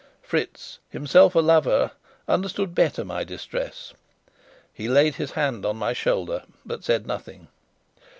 Fritz, himself a lover, understood better my distress. He laid his hand on my shoulder, but said nothing.